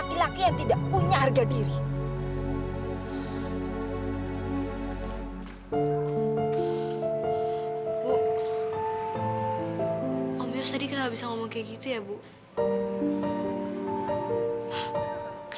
nggak bisa apa lia nurut sama ibu sekali ini aja